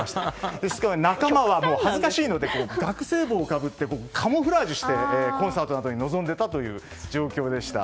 ですから、仲間は恥ずかしいので学生帽をかぶってカムフラージュしてコンサートなどに臨んでいた状況でした。